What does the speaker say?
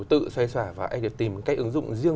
tự xoay xoả và tìm cách ứng dụng riêng